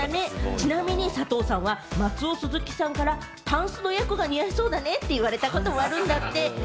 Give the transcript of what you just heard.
ちなみに佐藤さんは松尾スズキさんから、タンスの役が似合いそうだねって言われたこともあるんだって。